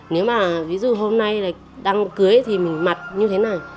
nếu mà ví dụ hôm nay đăng cưới thì mình mặt như thế này